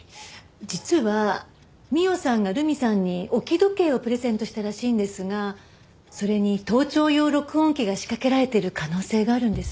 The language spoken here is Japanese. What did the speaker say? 実は美緒さんが留美さんに置き時計をプレゼントしたらしいんですがそれに盗聴用録音機が仕掛けられている可能性があるんです。